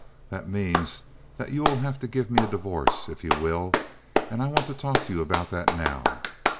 That means that you will have to give me a divorce, if you will; and I want to talk to you about that now.